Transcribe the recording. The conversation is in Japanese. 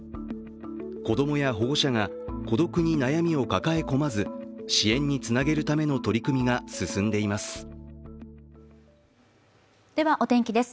子供や保護者が孤独に悩みを抱え込まず、支援につなげるための取り組みが進んでいますでは、お天気です。